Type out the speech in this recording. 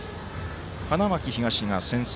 花巻東が先制。